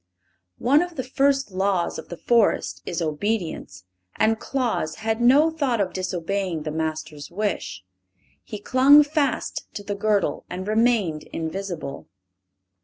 One of the first laws of the Forest is obedience, and Claus had no thought of disobeying the Master's wish. He clung fast to the girdle and remained invisible.